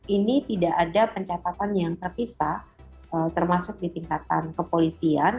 ini tidak ada pencatatan yang terpisah termasuk di tingkatan kepolisian